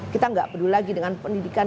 kita nggak peduli lagi dengan pendidikan